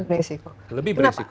perempuan lebih beresiko